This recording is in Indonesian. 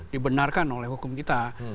dibenarkan oleh hukum kita